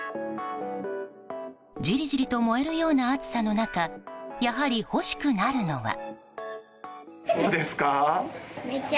じりじりと燃えるような暑さの中やはり、欲しくなるのは。